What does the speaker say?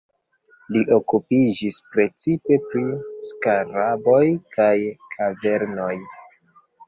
Li okupiĝis precipe pri skaraboj kaj kavernoj.